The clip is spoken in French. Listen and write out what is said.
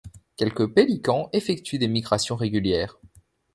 Quelques pélicans effectuent des migrations régulières.